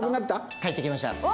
返ってきました。